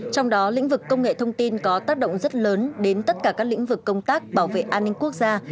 trong đó lĩnh vực công nghệ thông tin có tác động rất lớn đến tất cả các lĩnh vực công tác bảo vệ an ninh quốc gia